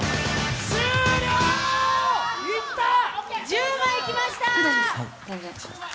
１０枚いきました。